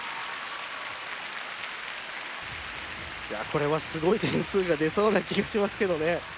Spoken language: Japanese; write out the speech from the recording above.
いやこれはすごい点数が出そうな気がしますけどね。